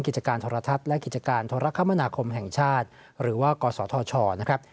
กิจการโทรทัศน์และกิจการโทรคมนาคมแห่งชาติหรือว่ากศธชนะครับ